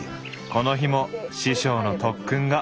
この日も師匠の特訓が。